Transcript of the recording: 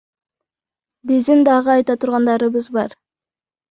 Биздин дагы айта тургандарыбыз бар.